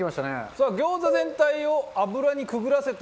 さあ餃子全体を油にくぐらせたら。